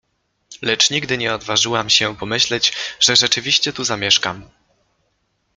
Lecz nigdy nie odważyłam się pomyśleć, że rzeczywiście tu zamieszkam.